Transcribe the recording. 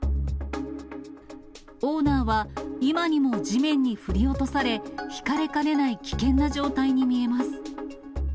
オーナーは、今にも地面に振り落とされ、ひかれかねない危険な状態に見えます。